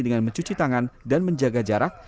dengan mencuci tangan dan menjaga jarak